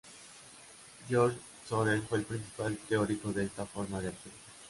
Georges Sorel fue el principal teórico de esta forma de acción.